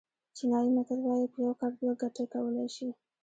چینایي متل وایي په یو کار دوه ګټې کولای شي.